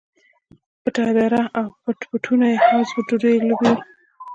پټه دره او پټ پټونی یې هم زموږ دودیزې لوبې وې.